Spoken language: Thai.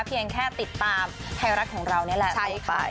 เพียงแค่ติดตามไทยรัฐของเรานี่แหละใช่ไป